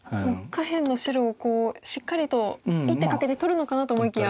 下辺の白をしっかりと１手かけて取るのかなと思いきや。